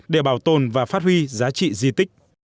để bảo tồn và phát huy giá trị di tích